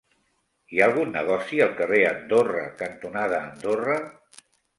Hi ha algun negoci al carrer Andorra cantonada Andorra?